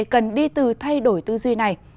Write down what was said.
cần đi từ thay đổi tư duy này